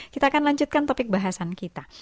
kita akan lanjutkan topik bahasan kita